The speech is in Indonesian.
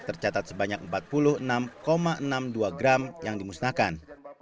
tercatat sebanyak empat puluh enam enam puluh dua gram yang dimusnahkan